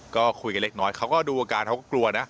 ก็คุยกันเล็กน้อยเขาก็ดูอาการเขาก็กลัวนะ